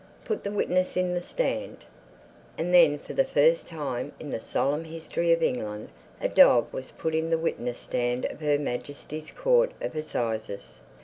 Put the witness in the stand." And then for the first time in the solemn history of England a dog was put in the witness stand of Her Majesty's Court of Assizes.